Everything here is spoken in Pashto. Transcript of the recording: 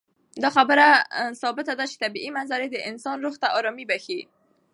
دا خبره ثابته ده چې طبیعي منظرې د انسان روح ته ارامي بښي.